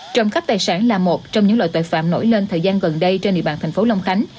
trộm cắp tài sản là một trong những loại tội phạm nổi lên thời gian gần đây trên địa bàn thành phố long khánh